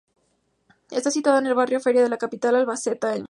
Está situada en el barrio Feria de la capital albaceteña.